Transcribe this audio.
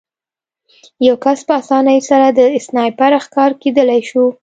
یو کس په اسانۍ سره د سنایپر ښکار کېدلی شو